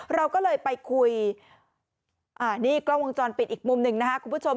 เราก็เลยไปคุยนี่กล้องวงจรปิดอีกมุมหนึ่งนะครับคุณผู้ชม